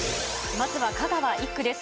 まずは香川１区です。